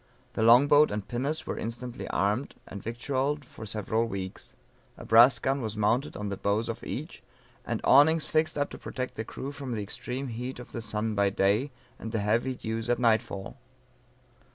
The long boat and pinnace were instantly armed, and victualled for several weeks, a brass gun was mounted on the bows of each, and awnings fixed up to protect the crew from the extreme heat of the sun by day, and the heavy dews at nightfall.